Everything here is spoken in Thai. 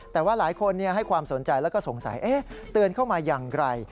แต่ว่าหลายคนให้ความสนใจแล้วก็สงสัยเตือนเข้ามาอย่างไร